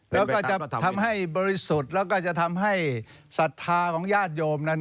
แล้วก็จะทำให้บริสุทธิ์แล้วก็จะทำให้ศรัทธาของญาติโยมนั้น